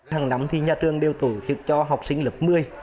hàng năm thì nhà trường đều tổ chức cho học sinh lớp một mươi